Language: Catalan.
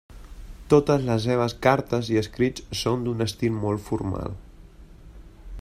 Totes les seves cartes i escrits són d'un estil molt formal.